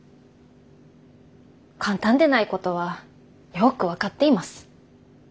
簡単でないことはよく分かっています。